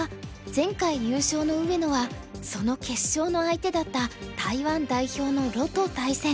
前回優勝の上野はその決勝の相手だった台湾代表の盧と対戦。